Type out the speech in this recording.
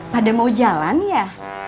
pada mau jalan ya